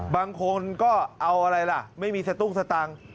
บางคนก็เอาอะไรล่ะไม่มีสตุ้งสตังค์